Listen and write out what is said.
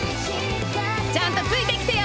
ちゃんとついて来てよ！